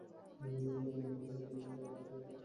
এর প্রমাণ এই যে, তার সাথে স্বর্ণের একটি ডালও দাফন করা হয়েছিল।